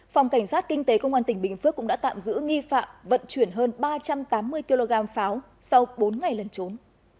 phòng cảnh sát kinh tế công an tỉnh bình phước cũng đã tạm giữ nghi phạm vận chuyển hơn ba trăm tám mươi kg pháo sau bốn ngày lần trốn